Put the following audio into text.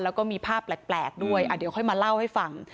แล้วก็มีภาพแปลกด้วยเดี๋ยวค่อยมาเล่าให้ฟัง